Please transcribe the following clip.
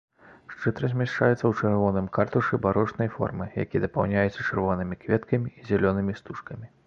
Шчыт размяшчаецца ў чырвоным картушы барочнай формы, які дапаўняецца чырвонымі кветкамі і зялёнымі стужкамі.